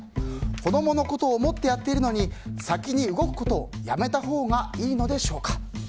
子供のことを思ってやっているのに、先に動くことをやめたほうがいいのでしょうか。